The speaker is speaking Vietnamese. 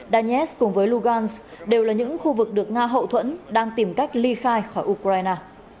danis cùng với lugan đều là những khu vực được nga hậu thuẫn đang tìm cách ly khai khỏi ukraine